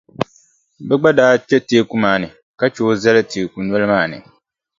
Bɛ gba daa kpe teeku maa ni ka che o zali teeku noli maa ni.